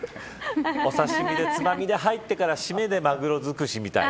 お刺し身でつまみで入ってから締めでマグロ尽くしみたいな。